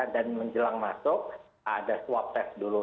dan menjelang masuk ada swab test dulu